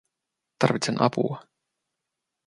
Tarvitsen apua.